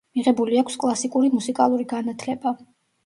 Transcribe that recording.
მიღებული აქვს კლასიკური მუსიკალური განათლება.